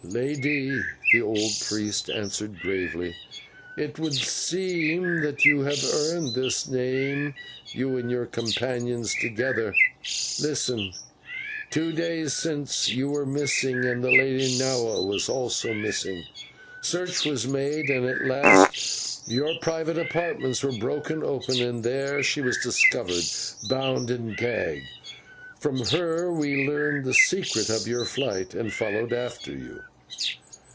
"Lady," the old priest answered gravely, "it would seem that you have earned this name, you and your companions together. Listen: two days since you were missing, and the Lady Nahua was also missing. Search was made, and at last your private apartments were broken open, and there she was discovered bound and gagged. From her we learned the secret of your flight, and followed after you."